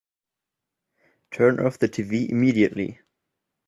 Turn off the tv immediately!